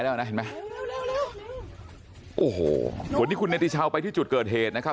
แล้วนะเห็นไหมโอ้โหวันนี้คุณเนติชาวไปที่จุดเกิดเหตุนะครับ